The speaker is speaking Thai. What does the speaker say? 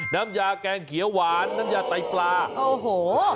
น้ำยาแกงเขียวหวานน้ำยาไตไปล์